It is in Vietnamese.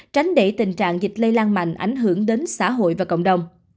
tránh để tình trạng dịch lây lan mạnh ảnh hưởng đến xã hội và cộng đồng